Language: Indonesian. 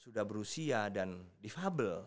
sudah berusia dan difabel